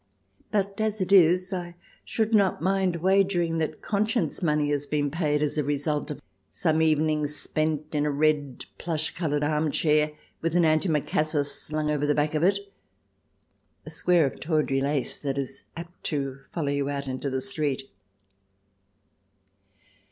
But as it is, I should not mind wagering that conscience money has been paid as a result of some evening spent in a red plush covered armchair, with an anti macassar slung over the back of it — a square of tawdry lace that is apt to follow you out into the street.